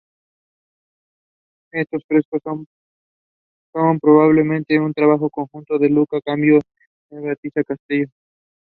Rostrum distinctly broader than long.